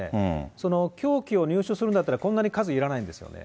その凶器を入手するんだったら、こんなに数要らないんですよね。